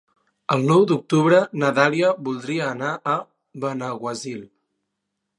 El nou d'octubre na Dàlia voldria anar a Benaguasil.